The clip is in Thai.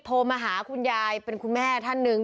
โทรมาหาคุณยายเป็นคุณแม่ท่านหนึ่ง